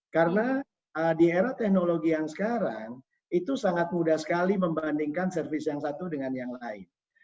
karena di era teknologi yang sekarang itu sangat mudah sekali membandingkan service yang satu dengan yang lain